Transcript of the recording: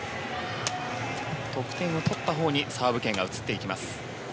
得点を取ったほうにサーブ権が移っていきます。